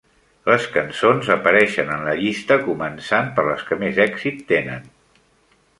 Les cançons apareixen en la llista començant per les que més èxit tenen.